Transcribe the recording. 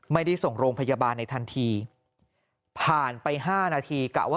ไม่ได้ส่งโรงพยาบาลในทันทีผ่านไป๕นาทีกะว่า